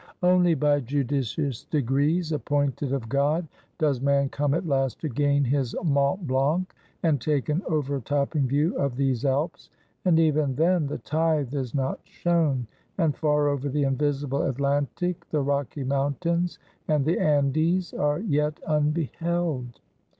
Only by judicious degrees, appointed of God, does man come at last to gain his Mont Blanc and take an overtopping view of these Alps; and even then, the tithe is not shown; and far over the invisible Atlantic, the Rocky Mountains and the Andes are yet unbeheld.